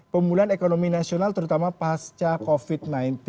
pemulihan ekonomi nasional terutama pasca covid sembilan belas